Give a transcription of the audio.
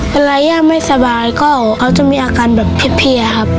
ย่าไม่สบายก็เขาจะมีอาการแบบเพียครับ